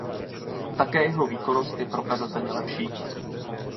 Také jeho výkonnost je prokazatelně lepší.